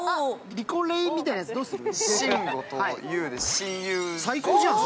リコレイみたいなやつ、どうする？